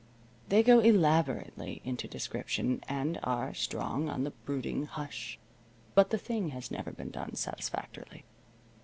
They go elaborately into description, and are strong on the brooding hush, but the thing has never been done satisfactorily.